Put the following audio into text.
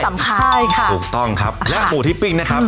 สำคัญใช่ค่ะถูกต้องครับและหมูที่ปิ้งนะครับ